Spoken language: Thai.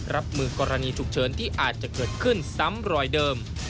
รับมือกรณีฉุกเฉินที่อาจจะเกิดขึ้นซ้ำรอยเดิม